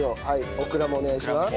オクラもお願いします。